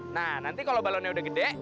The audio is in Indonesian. nah nanti kalau balonnya udah gede